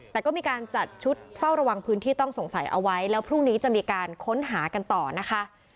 แต่ก็มีการจัดชุดเฝ้าระวังพื้นที่ต้องสงสัยเอาไว้แล้วพรุ่งนี้จะมีการค้นหากันต่อนะคะ